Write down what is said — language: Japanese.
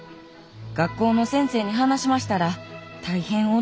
学校の先生に話しましたら大変驚いて。